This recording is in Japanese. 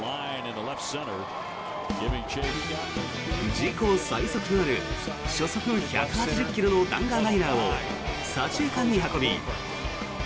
自己最速となる初速１８０ｋｍの弾丸ライナーを左中間に運び